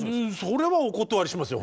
それはお断りしますよ